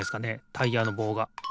タイヤのぼうが。